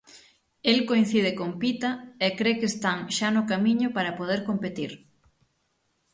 El coincide con Pita e cre que están xa no camiño para poder competir.